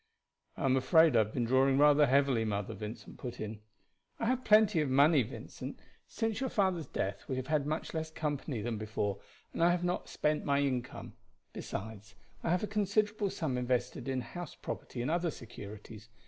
"I am afraid I have been drawing rather heavily, mother," Vincent put in. "I have plenty of money, Vincent. Since your father's death we have had much less company than before, and I have not spent my income. Besides, I have a considerable sum invested in house property and other securities.